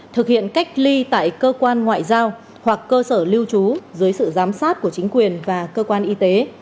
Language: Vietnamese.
thực hiện cách ly tại cơ quan ngoại giao hoặc cơ sở lưu trú dưới sự giám sát của chính quyền và cơ quan y tế